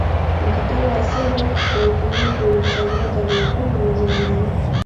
Mkataba wa Sevres na Uturuki uliozsainiwa tarehe kumi mwezi wa nane